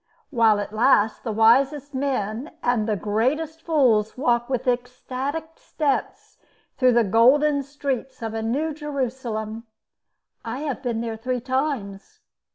While it lasts, the wisest men and the greatest fools walk with ecstatic steps through the golden streets of a New Jerusalem. I have been there three times.